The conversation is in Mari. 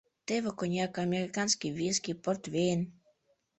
Теве коньяк, американский виски, портвейн.